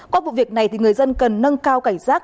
qua vụ việc này thì người dân cần nâng cao cảnh giác